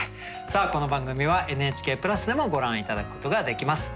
さあこの番組はＮＨＫプラスでもご覧頂くことができます。